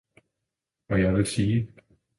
og jeg vil sige.